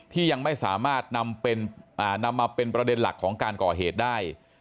ยังไม่สามารถนำมาเป็นประเด็นหลักของการก่อเหตุได้